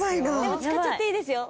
使っちゃっていいですよ